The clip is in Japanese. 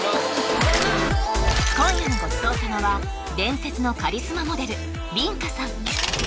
今夜のごちそう様は伝説のカリスマモデル梨花さん